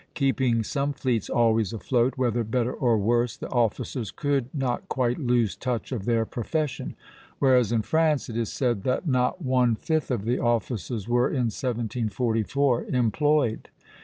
Keeping some fleets always afloat, whether better or worse, the officers could not quite lose touch of their profession; whereas in France it is said that not one fifth of the officers were, in 1744, employed.